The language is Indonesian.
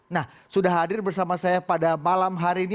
nah sudah hadir bersama saya pada malam hari ini